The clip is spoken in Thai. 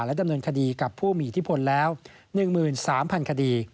ดำเนินคดีกับผู้มีอิทธิพลแล้ว๑๓๐๐คดี